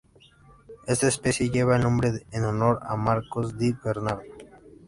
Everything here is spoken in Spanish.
Esta especie lleva el nombre en honor a Marcos Di-Bernardo.